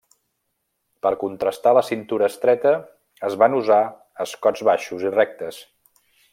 Per contrastar la cintura estreta, es van usar escots baixos i rectes.